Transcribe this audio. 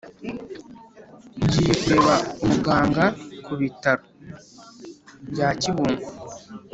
Ngiye kureba umuganga ku ibitaro bya kibungo